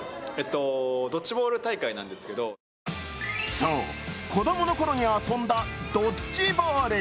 そう、子供のころに遊んだドッジボール。